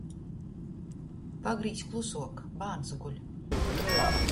Pagrīz klusuok — bārns guļ!